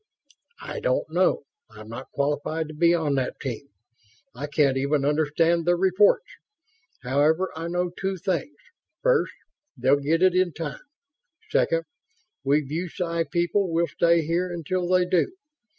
"I don't know. I'm not qualified to be on that team. I can't even understand their reports. However, I know two things. First, they'll get it in time. Second, we BuSci people will stay here until they do.